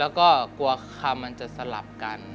แล้วก็กลัวคำมันจะสลับกัน